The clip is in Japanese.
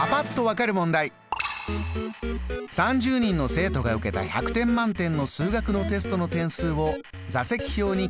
３０人の生徒が受けた１００点満点の数学のテストの点数を座席表に記入しました。